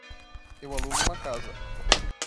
Eu alugo uma casa.